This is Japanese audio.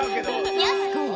やす子よ。